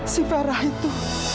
si farah itu